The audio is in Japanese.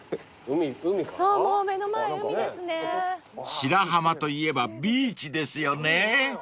［白浜といえばビーチですよね］